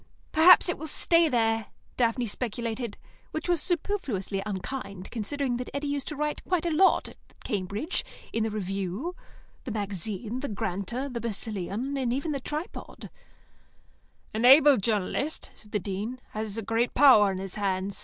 "H'm. Perhaps it will stay there," Daphne speculated, which was superfluously unkind, considering that Eddy used to write quite a lot at Cambridge, in the Review, the Magazine, the Granta, the Basileon, and even the Tripod. "An able journalist," said the Dean, "has a great power in his hands.